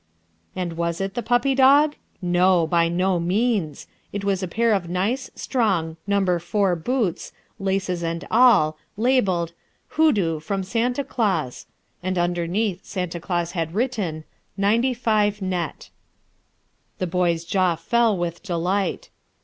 And was it the puppy dog? No, by no means. It was a pair of nice, strong, number four boots, laces and all, labelled, "Hoodoo, from Santa Claus," and underneath Santa Claus had written, "95 net." The boy's jaw fell with delight.